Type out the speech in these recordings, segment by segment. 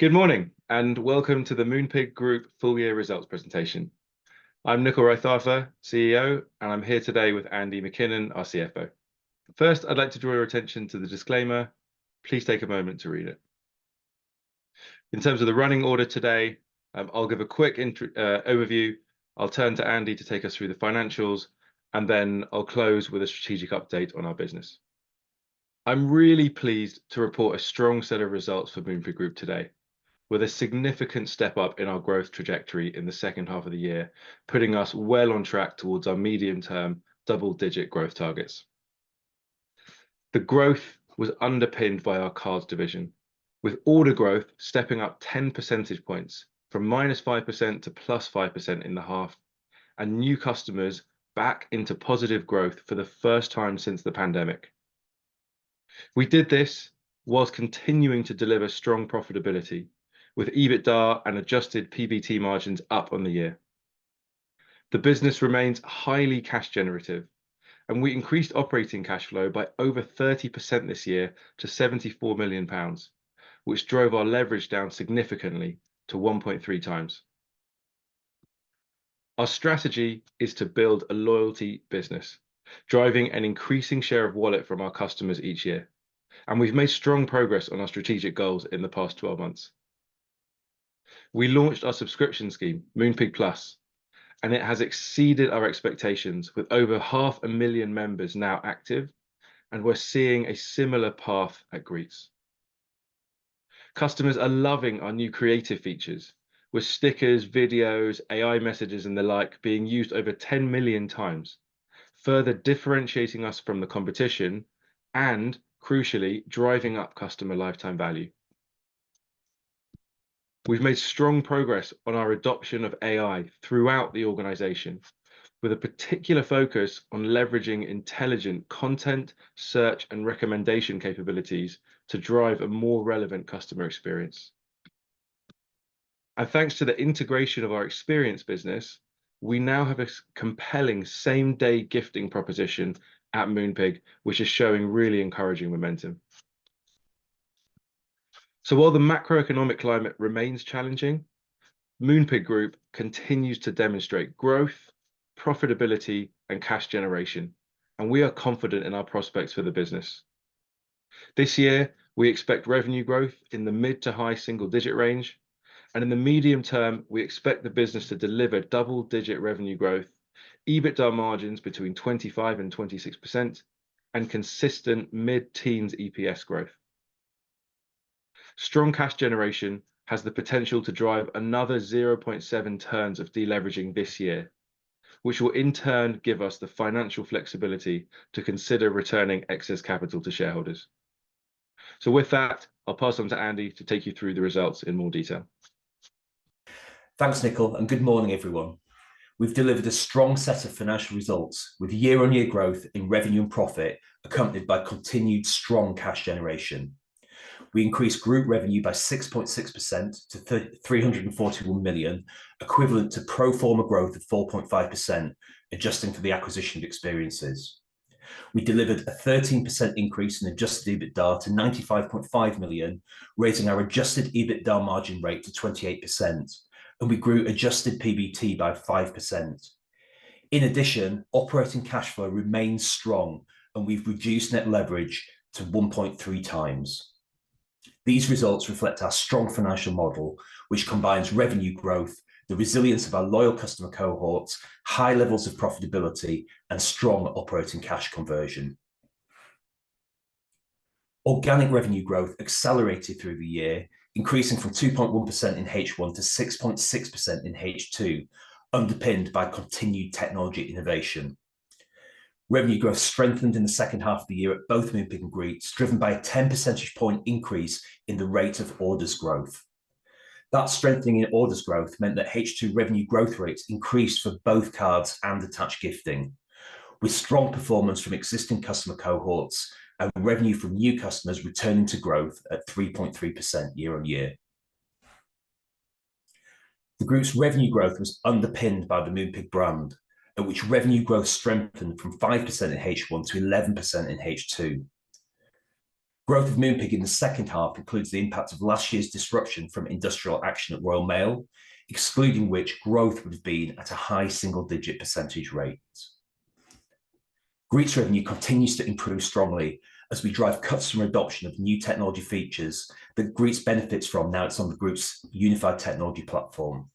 Good morning, and welcome to the Moonpig Group Full Year Results Presentation. I'm Nickyl Raithatha, CEO, and I'm here today with Andy MacKinnon, our CFO. First, I'd like to draw your attention to the disclaimer. Please take a moment to read it. In terms of the running order today, I'll give a quick intro, overview, I'll turn to Andy to take us through the financials, and then I'll close with a strategic update on our business. I'm really pleased to report a strong set of results for Moonpig Group today, with a significant step up in our growth trajectory in the second half of the year, putting us well on track towards our medium-term double-digit growth targets. The growth was underpinned by our cards division, with order growth stepping up 10 percentage points, from -5% to +5% in the half, and new customers back into positive growth for the first time since the pandemic. We did this while continuing to deliver strong profitability, with EBITDA and adjusted PBT margins up on the year. The business remains highly cash generative, and we increased operating cash flow by over 30% this year to 74 million pounds, which drove our leverage down significantly to 1.3x. Our strategy is to build a loyalty business, driving an increasing share of wallet from our customers each year, and we've made strong progress on our strategic goals in the past 12 months. We launched our subscription scheme, Moonpig Plus, and it has exceeded our expectations, with over 500,000 members now active, and we're seeing a similar path at Greetz. Customers are loving our new creative features, with stickers, videos, AI messages, and the like being used over 10 million times, further differentiating us from the competition and, crucially, driving up customer lifetime value. We've made strong progress on our adoption of AI throughout the organization, with a particular focus on leveraging intelligent content, search, and recommendation capabilities to drive a more relevant customer experience. And thanks to the integration of our Experiences business, we now have a compelling same-day gifting proposition at Moonpig, which is showing really encouraging momentum. So while the macroeconomic climate remains challenging, Moonpig Group continues to demonstrate growth, profitability, and cash generation, and we are confident in our prospects for the business. This year, we expect revenue growth in the mid- to high-single-digit range, and in the medium term, we expect the business to deliver double-digit revenue growth, EBITDA margins between 25% and 26%, and consistent mid-teens EPS growth. Strong cash generation has the potential to drive another 0.7 turns of deleveraging this year, which will in turn give us the financial flexibility to consider returning excess capital to shareholders. So with that, I'll pass on to Andy to take you through the results in more detail. Thanks, Nickyl, and good morning, everyone. We've delivered a strong set of financial results, with year-on-year growth in revenue and profit, accompanied by continued strong cash generation. We increased group revenue by 6.6% to 341 million, equivalent to pro forma growth of 4.5%, adjusting for the acquisition of Experiences. We delivered a 13% increase in adjusted EBITDA to 95.5 million, raising our adjusted EBITDA margin rate to 28%, and we grew adjusted PBT by 5%. In addition, operating cash flow remains strong, and we've reduced net leverage to 1.3x. These results reflect our strong financial model, which combines revenue growth, the resilience of our loyal customer cohorts, high levels of profitability, and strong operating cash conversion. Organic revenue growth accelerated through the year, increasing from 2.1% in H1 to 6.6% in H2, underpinned by continued technology innovation. Revenue growth strengthened in the second half of the year at both Moonpig and Greetz, driven by a 10 percentage point increase in the rate of orders growth. That strengthening in orders growth meant that H2 revenue growth rates increased for both cards and attached gifting, with strong performance from existing customer cohorts and revenue from new customers returning to growth at 3.3% year-on-year. The group's revenue growth was underpinned by the Moonpig brand, at which revenue growth strengthened from 5% in H1 to 11% in H2. Growth of Moonpig in the second half includes the impact of last year's disruption from industrial action at Royal Mail, excluding which, growth would have been at a high single-digit percentage rate. Greetz's revenue continues to improve strongly as we drive customer adoption of new technology features that Greetz benefits from now it's on the group's unified technology platform.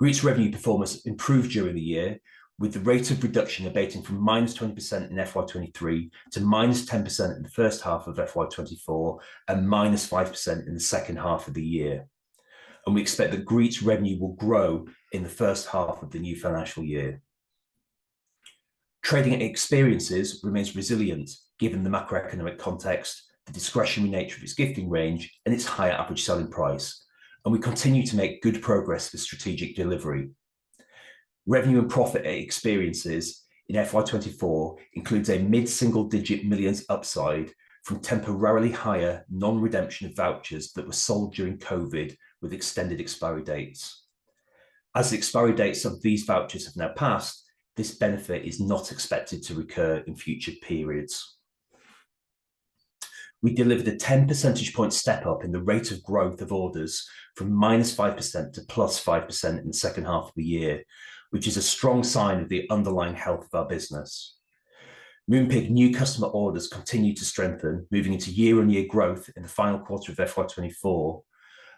Greetz's revenue performance improved during the year, with the rate of reduction abating from -20% in FY 2023 to -10% in the first half of FY 2024, and -5% in the second half of the year. We expect that Greetz's revenue will grow in the first half of the new financial year. Trading at Experiences remains resilient, given the macroeconomic context, the discretionary nature of its gifting range, and its higher average selling price, and we continue to make good progress with strategic delivery. Revenue and profit at Experiences in FY 2024 includes a mid-single-digit millions upside from temporarily higher non-redemption of vouchers that were sold during COVID with extended expiry dates. As the expiry dates of these vouchers have now passed, this benefit is not expected to recur in future periods. We delivered a 10 percentage point step-up in the rate of growth of orders from -5% to +5% in the second half of the year, which is a strong sign of the underlying health of our business. Moonpig new customer orders continued to strengthen, moving into year-on-year growth in the final quarter of FY 2024,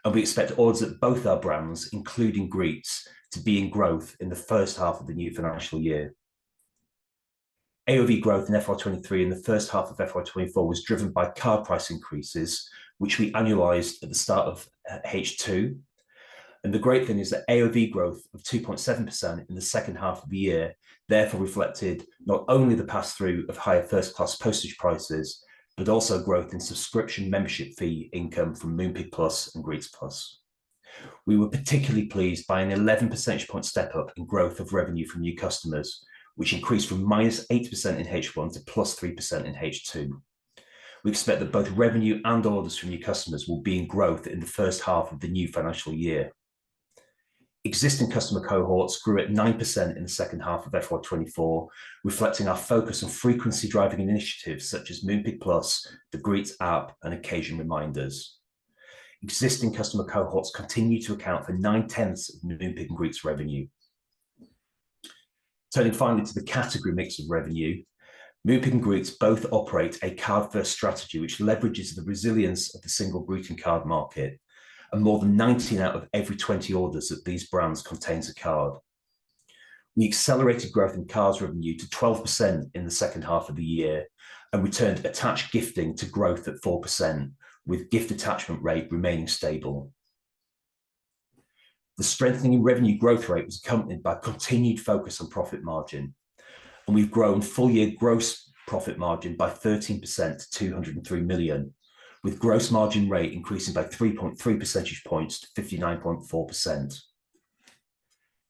and we expect orders at both our brands, including Greetz, to be in growth in the first half of the new financial year. AOV growth in FY 2023 and the first half of FY 2024 was driven by card price increases, which we annualized at the start of H2. And the great thing is that AOV growth of 2.7% in the second half of the year therefore reflected not only the pass-through of higher first-class postage prices, but also growth in subscription membership fee income from Moonpig Plus and Greetz Plus. We were particularly pleased by an 11 percentage point step-up in growth of revenue from new customers, which increased from -8% in H1 to +3% in H2. We expect that both revenue and orders from new customers will be in growth in the first half of the new financial year. Existing customer cohorts grew at 9% in the second half of FY 2024, reflecting our focus on frequency-driving initiatives such as Moonpig Plus, the Greetz app, and occasion reminders. Existing customer cohorts continue to account for 9/10 of Moonpig and Greetz's revenue. Turning finally to the category mix of revenue, Moonpig and Greetz both operate a card-first strategy, which leverages the resilience of the single greeting card market, and more than 19 out of every 20 orders of these brands contains a card. We accelerated growth in cards revenue to 12% in the second half of the year and returned attached gifting to growth at 4%, with gift attachment rate remaining stable. The strengthening revenue growth rate was accompanied by continued focus on profit margin, and we've grown full-year gross profit margin by 13% to 203 million, with gross margin rate increasing by 3.3 percentage points to 59.4%.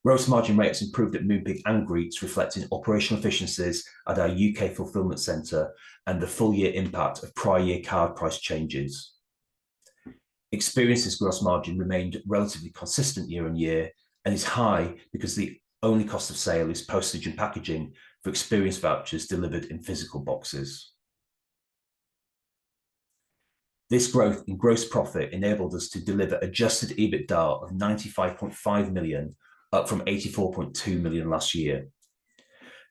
Gross margin rates improved at Moonpig and Greetz, reflecting operational efficiencies at our U.K. fulfillment center and the full-year impact of prior year card price changes. Experiences gross margin remained relatively consistent year-on-year and is high because the only cost of sale is postage and packaging for experience vouchers delivered in physical boxes. This growth in gross profit enabled us to deliver adjusted EBITDA of 95.5 million, up from 84.2 million last year.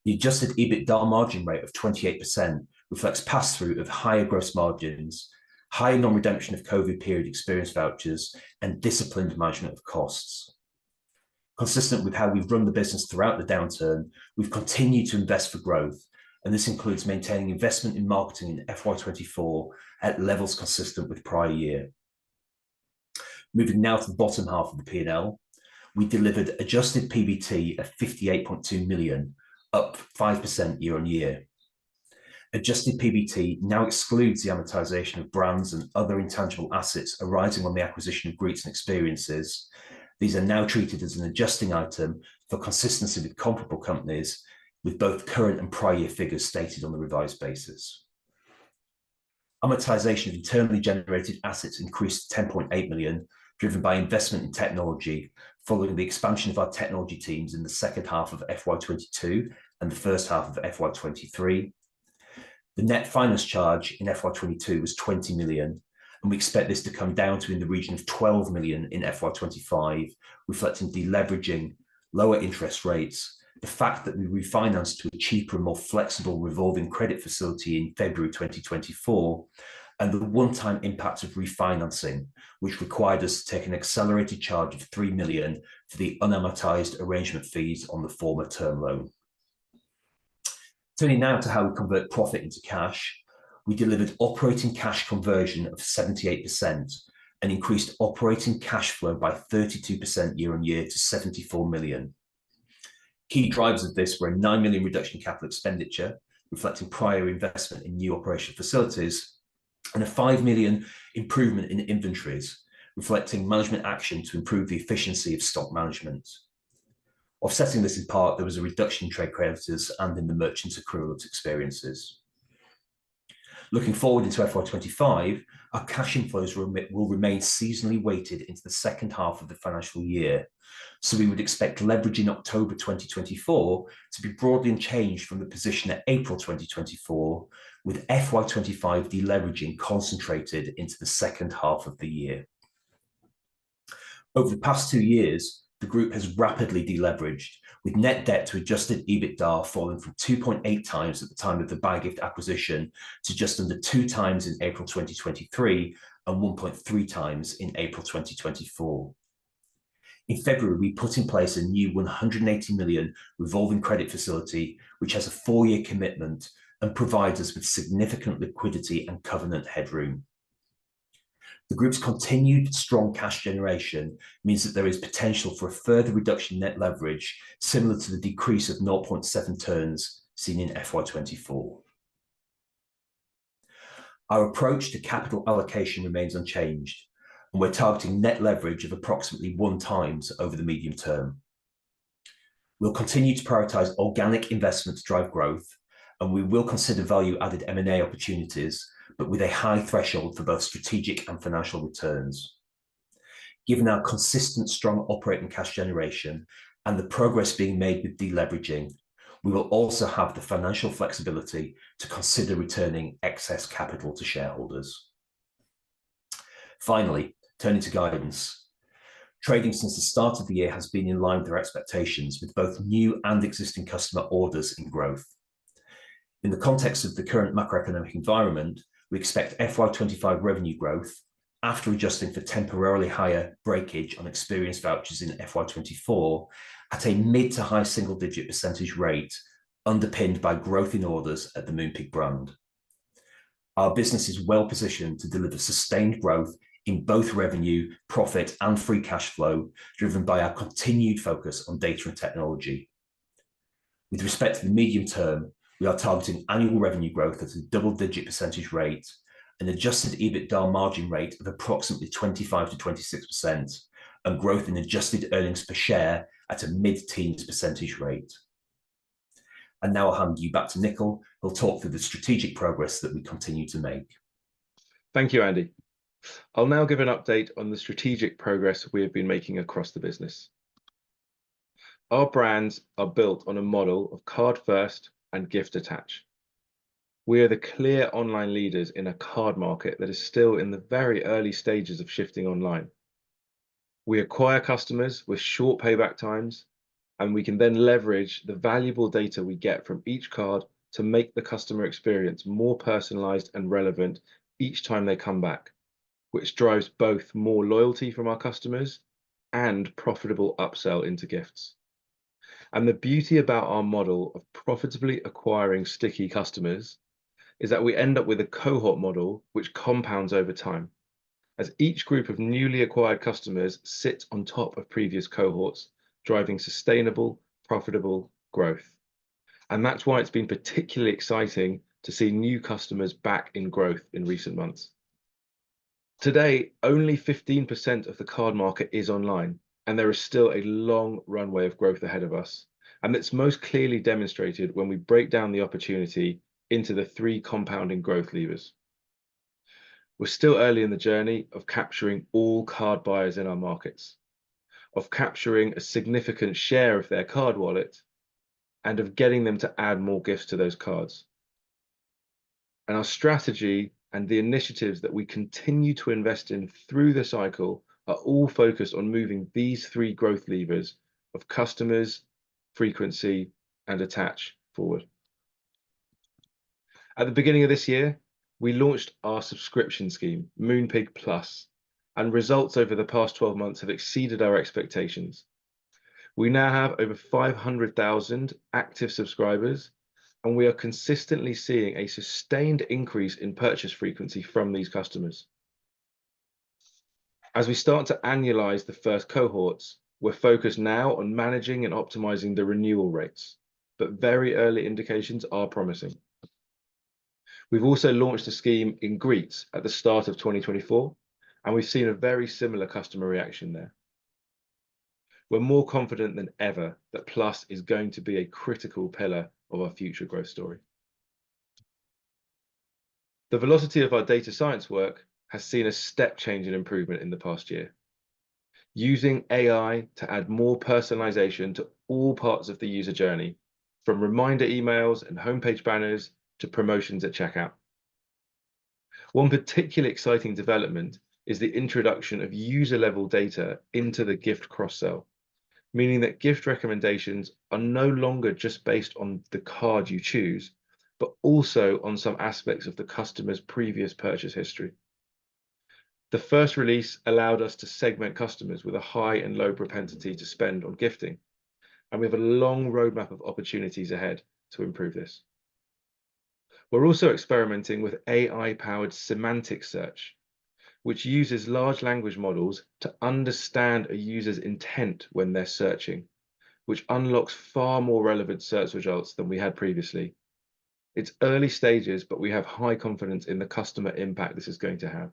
The adjusted EBITDA margin rate of 28% reflects pass-through of higher gross margins, high non-redemption of COVID period experience vouchers, and disciplined management of costs. Consistent with how we've run the business throughout the downturn, we've continued to invest for growth, and this includes maintaining investment in marketing in FY 2024 at levels consistent with prior year. Moving now to the bottom half of the P&L, we delivered adjusted PBT of 58.2 million, up 5% year-on-year. Adjusted PBT now excludes the amortization of brands and other intangible assets arising on the acquisition of Greetz and Experiences. These are now treated as an adjusting item for consistency with comparable companies, with both current and prior year figures stated on the revised basis. Amortization of internally generated assets increased to 10.8 million, driven by investment in technology following the expansion of our technology teams in the second half of FY 2022 and the first half of FY 2023. The net finance charge in FY 2022 was 20 million, and we expect this to come down to in the region of 12 million in FY 2025, reflecting deleveraging, lower interest rates, the fact that we refinanced to a cheaper and more flexible revolving credit facility in February 2024, and the one-time impact of refinancing, which required us to take an accelerated charge of 3 million for the unamortized arrangement fees on the former term loan. Turning now to how we convert profit into cash, we delivered operating cash conversion of 78% and increased operating cash flow by 32% year-on-year to 74 million. Key drivers of this were a 9 million reduction in capital expenditure, reflecting prior investment in new operation facilities, and a 5 million improvement in inventories, reflecting management action to improve the efficiency of stock management. Offsetting this in part, there was a reduction in trade creditors and in the merchant accruals, Experiences. Looking forward into FY 25, our cash inflows remit will remain seasonally weighted into the second half of the financial year, so we would expect leverage in October 2024 to be broadly changed from the position at April 2024, with FY 25 deleveraging concentrated into the second half of the year. Over the past two years, the group has rapidly deleveraged, with net debt to adjusted EBITDA falling from 2.8x at the time of the Buyagift acquisition to just under 2x in April 2023 and 1.3x in April 2024. In February, we put in place a new 180 million revolving credit facility, which has a 4-year commitment and provides us with significant liquidity and covenant headroom. The group's continued strong cash generation means that there is potential for a further reduction in net leverage, similar to the decrease of 0.7 turns seen in FY 2024. Our approach to capital allocation remains unchanged, and we're targeting net leverage of approximately 1x over the medium term. We'll continue to prioritize organic investment to drive growth, and we will consider value-added M&A opportunities, but with a high threshold for both strategic and financial returns. Given our consistent strong operating cash generation and the progress being made with de-leveraging, we will also have the financial flexibility to consider returning excess capital to shareholders. Finally, turning to guidance. Trading since the start of the year has been in line with our expectations, with both new and existing customer orders and growth. In the context of the current macroeconomic environment, we expect FY 25 revenue growth, after adjusting for temporarily higher breakage on Experiences vouchers in FY 24, at a mid- to high single-digit percentage rate, underpinned by growth in orders at the Moonpig brand. Our business is well positioned to deliver sustained growth in both revenue, profit, and free cash flow, driven by our continued focus on data and technology. With respect to the medium term, we are targeting annual revenue growth at a double-digit % rate, an adjusted EBITDA margin rate of approximately 25%-26%, and growth in adjusted earnings per share at a mid-teens % rate. Now I'll hand you back to Nickyl, who'll talk through the strategic progress that we continue to make. Thank you, Andy. I'll now give an update on the strategic progress we have been making across the business. Our brands are built on a model of card first and gift attach. We are the clear online leaders in a card market that is still in the very early stages of shifting online. We acquire customers with short payback times, and we can then leverage the valuable data we get from each card to make the customer experience more personalized and relevant each time they come back, which drives both more loyalty from our customers and profitable upsell into gifts. And the beauty about our model of profitably acquiring sticky customers is that we end up with a cohort model which compounds over time, as each group of newly acquired customers sit on top of previous cohorts, driving sustainable, profitable growth. That's why it's been particularly exciting to see new customers back in growth in recent months. Today, only 15% of the card market is online, and there is still a long runway of growth ahead of us, and it's most clearly demonstrated when we break down the opportunity into the three compounding growth levers. We're still early in the journey of capturing all card buyers in our markets, of capturing a significant share of their card wallet, and of getting them to add more gifts to those cards. Our strategy and the initiatives that we continue to invest in through the cycle are all focused on moving these three growth levers of customers, frequency, and attach forward. At the beginning of this year, we launched our subscription scheme, Moonpig Plus, and results over the past 12 months have exceeded our expectations. We now have over 500,000 active subscribers, and we are consistently seeing a sustained increase in purchase frequency from these customers. As we start to annualize the first cohorts, we're focused now on managing and optimizing the renewal rates, but very early indications are promising. We've also launched a scheme in Greetz at the start of 2024, and we've seen a very similar customer reaction there. We're more confident than ever that Plus is going to be a critical pillar of our future growth story. The velocity of our data science work has seen a step change in improvement in the past year, using AI to add more personalization to all parts of the user journey, from reminder emails and homepage banners to promotions at checkout. One particularly exciting development is the introduction of user-level data into the gift cross-sell, meaning that gift recommendations are no longer just based on the card you choose, but also on some aspects of the customer's previous purchase history. The first release allowed us to segment customers with a high and low propensity to spend on gifting, and we have a long roadmap of opportunities ahead to improve this. We're also experimenting with AI-powered semantic search, which uses large language models to understand a user's intent when they're searching, which unlocks far more relevant search results than we had previously. It's early stages, but we have high confidence in the customer impact this is going to have.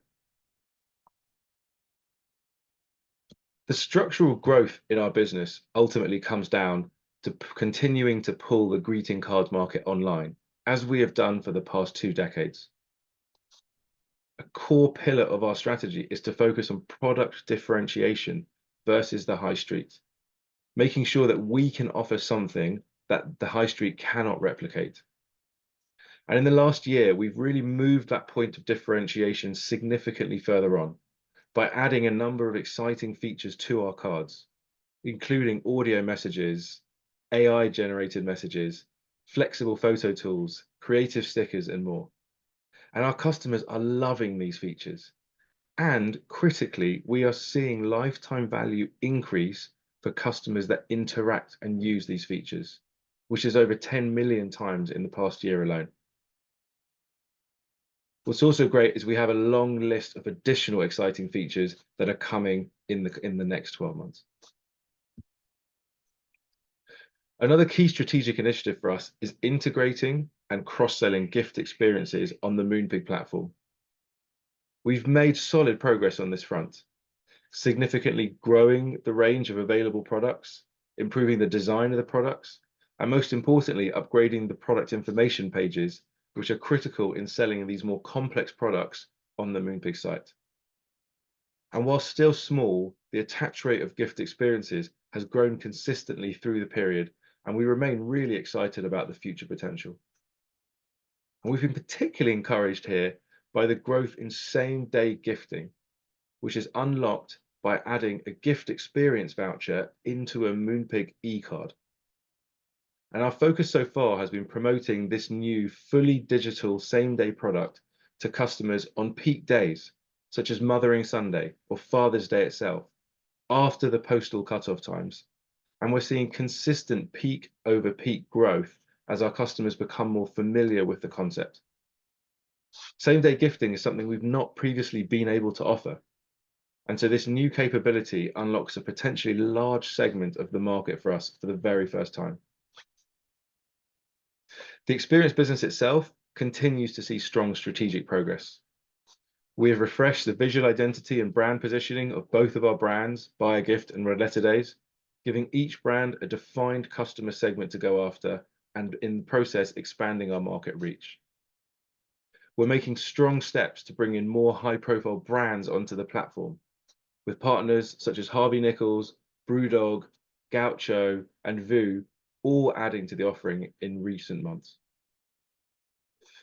The structural growth in our business ultimately comes down to continuing to pull the greeting card market online, as we have done for the past two decades. A core pillar of our strategy is to focus on product differentiation versus the high street, making sure that we can offer something that the high street cannot replicate. In the last year, we've really moved that point of differentiation significantly further on by adding a number of exciting features to our cards, including audio messages, AI-generated messages, flexible photo tools, creative stickers, and more. Our customers are loving these features, and critically, we are seeing lifetime value increase for customers that interact and use these features, which is over 10 million times in the past year alone. What's also great is we have a long list of additional exciting features that are coming in the next 12 months. Another key strategic initiative for us is integrating and cross-selling gift experiences on the Moonpig platform. We've made solid progress on this front, significantly growing the range of available products, improving the design of the products, and most importantly, upgrading the product information pages, which are critical in selling these more complex products on the Moonpig site. While still small, the attach rate of gift experiences has grown consistently through the period, and we remain really excited about the future potential. We've been particularly encouraged here by the growth in same-day gifting, which is unlocked by adding a gift experience voucher into a Moonpig e-card. Our focus so far has been promoting this new, fully digital same-day product to customers on peak days, such as Mothering Sunday or Father's Day itself, after the postal cutoff times, and we're seeing consistent peak-over-peak growth as our customers become more familiar with the concept. Same-day gifting is something we've not previously been able to offer, and so this new capability unlocks a potentially large segment of the market for us for the very first time. The experience business itself continues to see strong strategic progress. We have refreshed the visual identity and brand positioning of both of our brands, Buyagift and Red Letter Days, giving each brand a defined customer segment to go after, and in the process, expanding our market reach. We're making strong steps to bring in more high-profile brands onto the platform, with partners such as Harvey Nichols, BrewDog, Gaucho, and Vue all adding to the offering in recent months.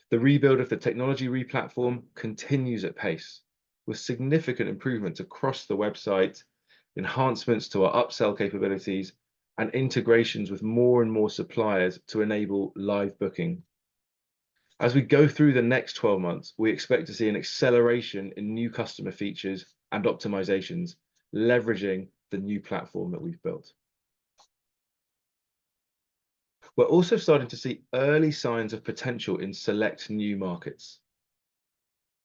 The rebuild of the technology replatform continues at pace, with significant improvements across the website, enhancements to our upsell capabilities, and integrations with more and more suppliers to enable live booking. As we go through the next 12 months, we expect to see an acceleration in new customer features and optimizations, leveraging the new platform that we've built. We're also starting to see early signs of potential in select new markets.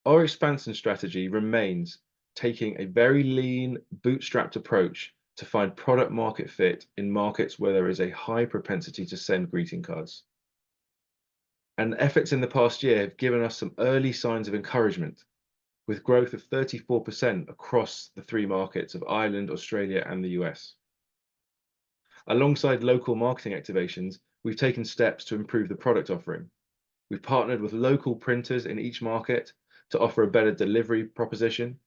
Our expansion strategy remains taking a very lean, bootstrapped approach to find product market fit in markets where there is a high propensity to send greeting cards. And efforts in the past year have given us some early signs of encouragement, with growth of 34% across the three markets of Ireland, Australia, and the U.S. Alongside local marketing activations, we've taken steps to improve the product offering. We've partnered with local printers in each market to offer a better delivery proposition,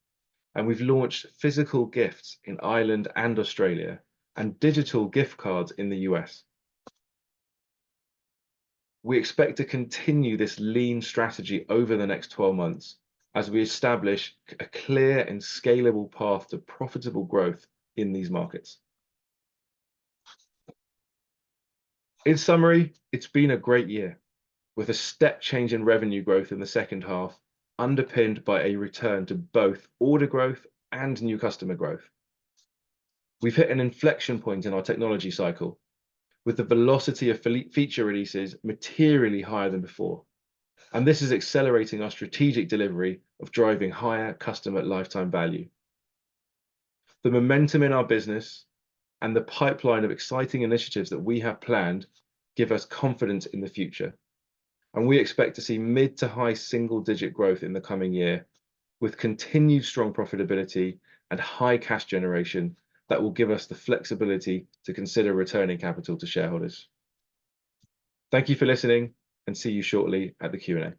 and we've launched physical gifts in Ireland and Australia, and digital gift cards in the U.S. We expect to continue this lean strategy over the next 12 months as we establish a clear and scalable path to profitable growth in these markets. In summary, it's been a great year, with a step change in revenue growth in the second half, underpinned by a return to both order growth and new customer growth. We've hit an inflection point in our technology cycle, with the velocity of feature releases materially higher than before, and this is accelerating our strategic delivery of driving higher customer lifetime value. The momentum in our business and the pipeline of exciting initiatives that we have planned give us confidence in the future, and we expect to see mid- to high single-digit growth in the coming year, with continued strong profitability and high cash generation that will give us the flexibility to consider returning capital to shareholders. Thank you for listening, and see you shortly at the Q&A.